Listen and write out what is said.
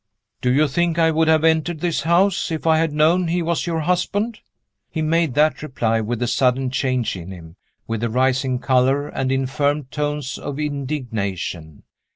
"Do you think I would have entered this house if I had known he was your husband?" He made that reply with a sudden change in him with a rising color and in firm tones of indignation.